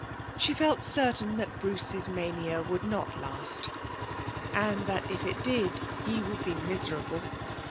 She felt certain that Brace's mania would not last, and that if it did he would be miserable.